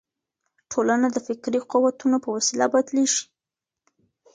ټولنه د فکري قوتونو په وسیله بدلیږي.